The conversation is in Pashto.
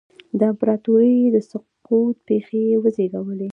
د امپراتورۍ د سقوط پېښې یې وزېږولې